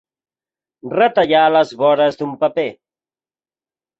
Retallar les vores d'un paper.